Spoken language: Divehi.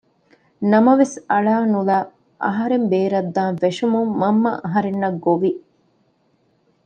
ނަމަވެސް އަޅަނުލައި އަހަރެން ބޭރަށްދާން ފެށުމުން މަންމަ އަހަރެންނަށް ގޮވި